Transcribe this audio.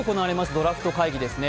ドラフト会議ですね。